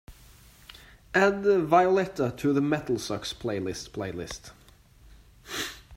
add villotta to The MetalSucks Playlist playlist